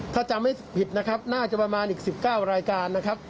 ถ้าจำไม่ผิดนะครับน่าจะประมาณอีก๑๙รายการนะครับ